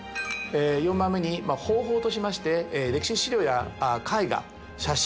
４番目に方法としまして歴史資料や絵画写真